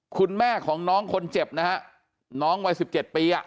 คุณแม่ของน้องคนเจ็บนะฮะน้องวันสิบเจ็ดปีอ่ะ